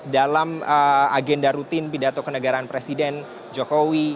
dalam agenda rutin pidato kenegaraan presiden jokowi